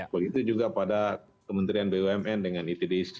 begitu juga pada kementerian bumn dengan itdc mcpa dan lain sebagainya